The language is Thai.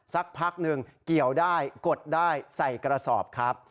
สักพักหนึ่งเกี่ยวได้กดได้ใส่กระสอบครับ